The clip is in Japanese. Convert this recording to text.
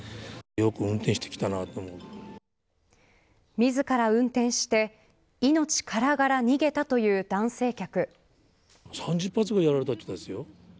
自ら運転して命からがら逃げたという男性客。